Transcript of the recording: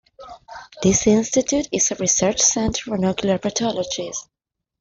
This institute is a research center on ocular pathologies.